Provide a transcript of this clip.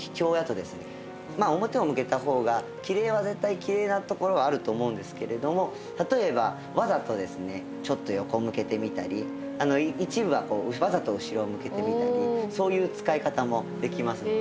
まあ表を向けた方がきれいは絶対きれいなところはあると思うんですけれども例えばわざとですねちょっと横向けてみたり一部はわざと後ろを向けてみたりそういう使い方もできますので。